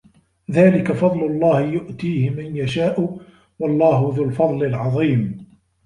ذلِكَ فَضلُ اللَّهِ يُؤتيهِ مَن يَشاءُ وَاللَّهُ ذُو الفَضلِ العَظيمِ